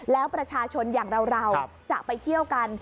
แล้วประชาชนอย่างเราจะไปเที่ยวกัน